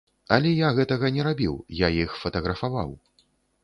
Але я гэтага не рабіў, я іх фатаграфаваў.